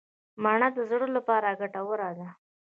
مڼه د زړه لپاره ګټوره ده.